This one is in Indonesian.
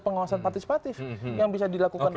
pengawasan partisipatif yang bisa dilakukan